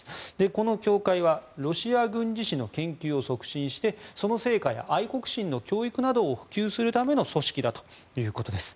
この協会はロシア軍事史の研究を促進してその成果や愛国心の教育などを普及するための組織だということです。